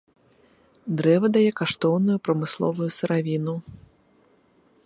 Дрэва дае каштоўную прамысловую сыравіну.